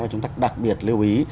mà chúng ta đặc biệt lưu ý